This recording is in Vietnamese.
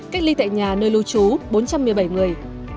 cách ly tại nhà nơi lưu trú bốn trăm một mươi bảy người